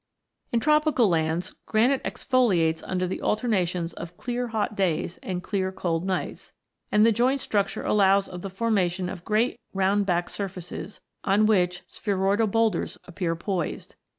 In tropical lands, granite exfoliates under the alternations of clear hot days and clear cold nights, and the joint structure allows of the formation of great round backed surfaces, on which spheroidal boulders appear poised.